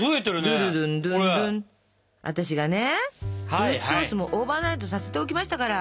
フルーツソースもオーバーナイトさせておきましたから。